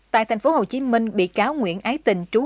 tại tp hcm bị cáo nguyễn ái tình trụng